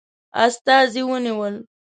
استازي ونیول.